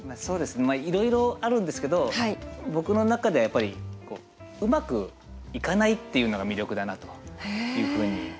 いろいろあるんですけど僕の中ではやっぱりうまくいかないっていうのが魅力だなというふうに。